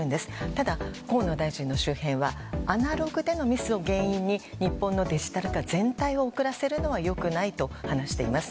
ただ、河野大臣の周辺はアナログでのミスで日本のデジタル化全体を遅らせるのはよくないと話しています。